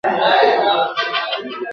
ستا به په شپو کي زنګېدلی یمه !.